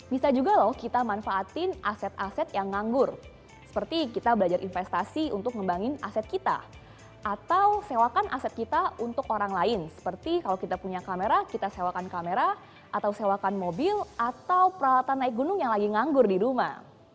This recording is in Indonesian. bisa juga loh kita manfaatin aset aset yang nganggur seperti kita belajar investasi untuk ngembangin aset kita atau sewakan aset kita untuk orang lain seperti kalau kita punya kamera kita sewakan kamera atau sewakan mobil atau peralatan naik gunung yang lagi nganggur di rumah